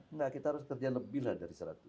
enggak kita harus kerja lebih lah dari seratus